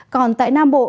còn tại nam bộ